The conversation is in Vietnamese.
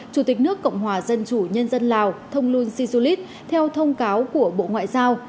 chủ tịch nước cộng hòa dân chủ nhân dân lào thông luân sisulis theo thông cáo của bộ ngoại giao